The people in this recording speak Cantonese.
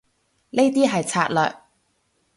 呢啲係策略